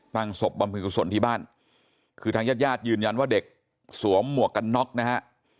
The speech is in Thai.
ตั้งศพบำคืนส่วนที่บ้านคือทางญาติยืนยันว่าเด็กสวมหมวกกันน็อกนะฮะ